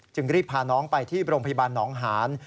รีบพาน้องไปที่โรงพยาบาลหนองหาน